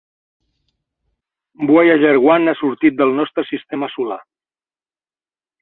Voyager One ha sortit del nostre sistema solar.